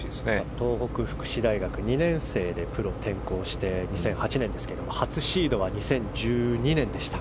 東北福祉大学２年生でプロ転向して２００８年でしたけど初シードは２０１２年でした。